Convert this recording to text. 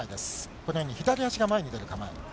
このように左足が前に出る構え。